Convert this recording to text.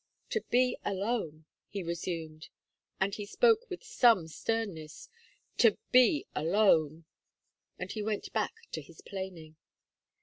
"To be alone," he resumed; and he spoke with some sternness, "to be alone." And he went back to his planing.